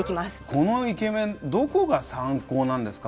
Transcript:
このイケメンどこが三高なんですか？